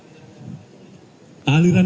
partai ini menginginkan